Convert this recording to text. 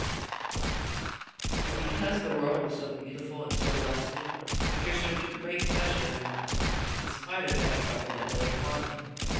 [Sidenote: Sir Tristram rides ahunting] And because the world was so beautiful and so lusty, Sir Tristram took great pleasure in life in spite of that trouble that lay upon him.